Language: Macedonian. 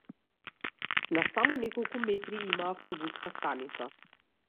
На само неколку метри има автобуска станица.